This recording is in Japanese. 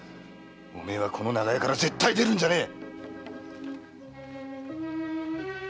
お前はこの長屋から絶対出るんじゃねえ！